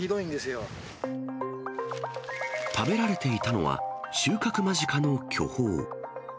食べられていたのは、収穫間近の巨峰。